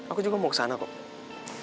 aku juga mau kesana kok